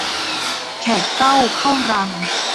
แขกเต้าเข้ารัง